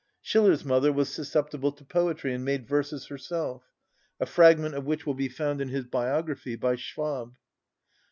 Schiller's mother was susceptible to poetry, and made verses herself, a fragment of which will be found in his biography by Schwab.